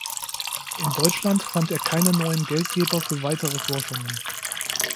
In Deutschland fand er keine neuen Geldgeber für weitere Forschungen.